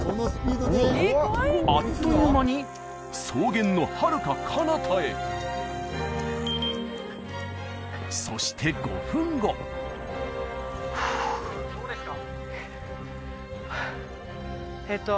あっという間に草原のはるかかなたへそして５分後ふうどうですか？